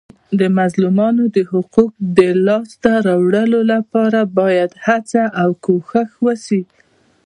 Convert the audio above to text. د مظلومانو د حقوقو د لاسته راوړلو لپاره باید هڅه او کوښښ وسي.